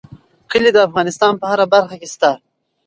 کلي د افغانستان په هره برخه کې شته.